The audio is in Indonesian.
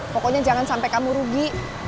pokoknya jangan sampai kamu rugi